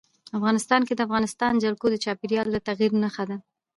افغانستان کې د افغانستان جلکو د چاپېریال د تغیر نښه ده.